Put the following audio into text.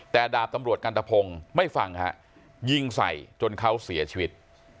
แต่ดาบตำรวจกันตะพงศ์ไม่ฟังฮะยิงใส่จนเขาเสียชีวิต